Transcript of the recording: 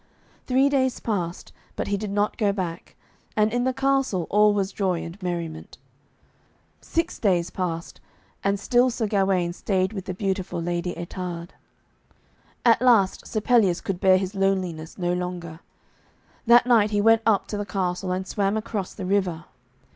Three days passed, but he did not go back, and in the castle all was joy and merriment. Six days passed, and still Sir Gawaine stayed with the beautiful Lady Ettarde. At last Sir Pelleas could bear his loneliness no longer. That night he went up to the castle, and swam across the river.